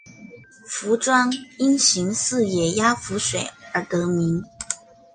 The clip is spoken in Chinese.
凫庄因形似野鸭浮水而得名。